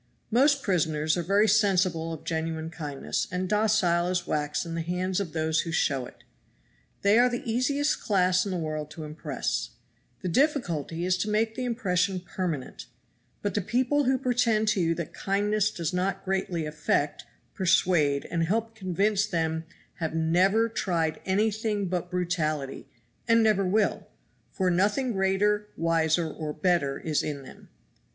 Most prisoners are very sensible of genuine kindness, and docile as wax in the hands of those who show it. They are the easiest class in the world to impress. The difficulty is to make the impression permanent. But the people who pretend to you that kindness does not greatly affect, persuade and help convince them HAVE NEVER TRIED ANYTHING BUT BRUTALITY, and never will; for nothing greater, wiser or better is in them.